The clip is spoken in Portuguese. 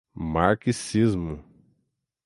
marxismo